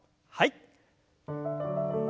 はい。